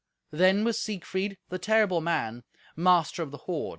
Then was Siegfried, the terrible man, master of the hoard.